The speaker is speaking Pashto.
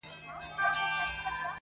سپينه خولگۍ راپسي مه ږغوه~